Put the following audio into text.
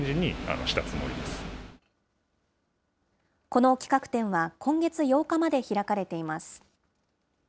この企画展は、今月８日まで開かれています。